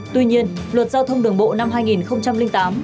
tuy nhiên luật giao thông đường bộ năm hai nghìn tám